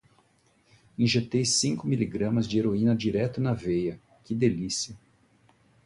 Injetei cinco miligramas de heroína direto na veia, que delícia!